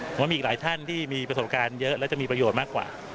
ผมว่ามีอีกหลายท่านที่มีประสบการณ์เยอะและจะมีประโยชน์มากกว่า